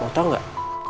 mau tau gak